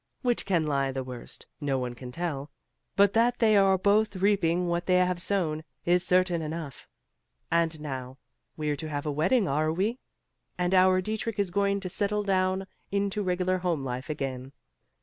Which can lie the worst, no one can tell, but that they are both reaping what they have sown, is certain enough. And now we're to have a wedding, are we? and our Dietrich is going to settle down into regular home life again.